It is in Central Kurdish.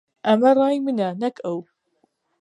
ئەمە ڕای منە، نەک ئەو.